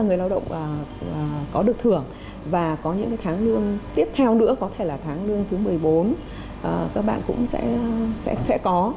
người lao động có được thưởng và có những tháng lương tiếp theo nữa có thể là tháng lương thứ một mươi bốn các bạn cũng sẽ có